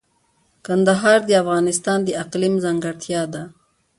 کندهار د افغانستان د اقلیم ځانګړتیا ده.